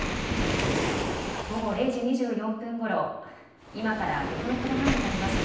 午後０時２４分ごろ、今から５分ほど前になります。